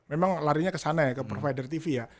memang larinya kesana ya ke provider tv ya